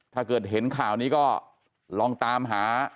ถ้าเกิดเห็นข่าวนี้ก็ลองตามหา